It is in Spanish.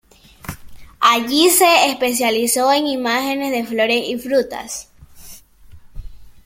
Allí se especializó en imágenes de flores y frutas.